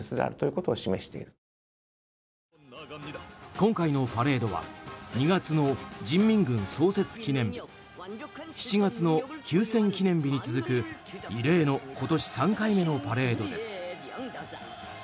今回のパレードは２月の人民軍創設記念日７月の休戦記念日に続く異例の今年３回目のパレードです。